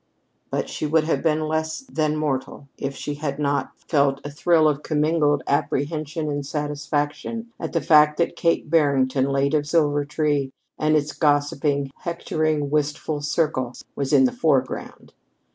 But she would have been less than mortal if she had not felt a thrill of commingled apprehension and satisfaction at the fact that Kate Barrington, late of Silvertree and its gossiping, hectoring, wistful circles, was in the foreground.